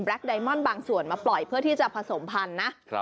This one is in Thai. ไดมอนด์บางส่วนมาปล่อยเพื่อที่จะผสมพันธุ์นะ